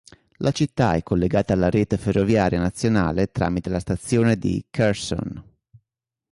La città è collegata alla rete ferroviaria nazionale tramite la stazione di Cherson.